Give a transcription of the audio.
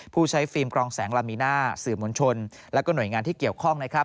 ผู้ใช้ฟิล์มกรองแสงลามีน่าสื่อมวลชนและหน่วยงานที่เกี่ยวข้องนะครับ